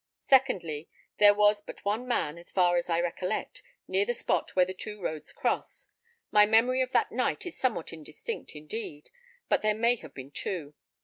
Secondly, there was but one man, as far as I recollect, near the spot where the two roads cross. My memory of that night is somewhat indistinct, indeed, and there may have been two.